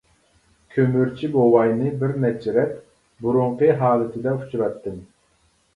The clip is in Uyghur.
كۆمۈرچى بوۋاينى بىرنەچچە رەت بۇرۇنقى ھالىتىدە ئۇچراتتىم.